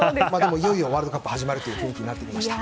いよいよワールドカップが始まるという雰囲気になってきました。